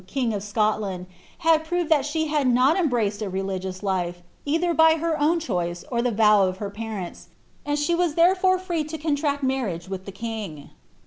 95 king of Scotland, had proved that she had not erohraced a religious life, either by her own choice or the vow of her parents, and she was there fore free to contract marriage with the king.